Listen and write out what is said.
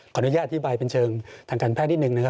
อนุญาตอธิบายเป็นเชิงทางการแพทย์นิดนึงนะครับ